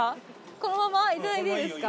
このままいただいていいですか？